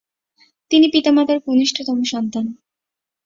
তিনি পিতা-মাতার কনিষ্ঠতম সন্তান।